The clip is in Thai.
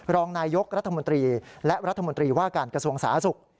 รองนายกรัฐมนตรีและรัฐมนตรีว่าการกระทรวงสาธารณสุข